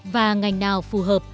và ngành nào phù hợp